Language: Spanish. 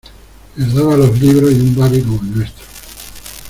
les daba los libros y un babi como el nuestro.